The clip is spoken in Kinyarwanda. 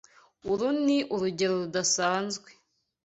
Uru ni urugero rudasanzwe.